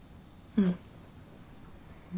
うん。